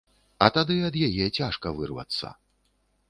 А тады ад яе цяжка вырвацца.